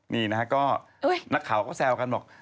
นี่ก็นักข่าวก็แซวกันว่า